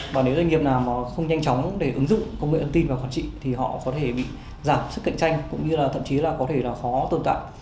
và nếu doanh nghiệp nào nó không nhanh chóng để ứng dụng công nghệ ấn tin vào quản trị thì họ có thể bị giảm sức cạnh tranh cũng như là thậm chí là có thể là khó tồn tại